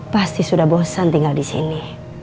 pasti sudah bosan tinggal disini